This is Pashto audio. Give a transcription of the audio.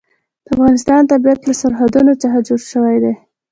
د افغانستان طبیعت له سرحدونه څخه جوړ شوی دی.